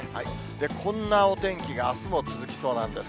こんなお天気があすも続きそうなんです。